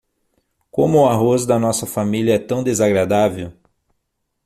Como o arroz da nossa família é tão desagradável?